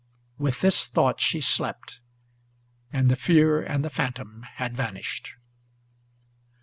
With this thought she slept, and the fear and the phantom had vanished.